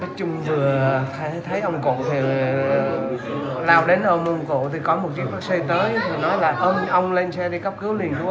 nói chung vừa thấy ông cụ thì lao đến ôm ông cụ thì có một chiếc bác sư tới thì nói là ôm ông lên xe đi cấp cứu liền chú ơi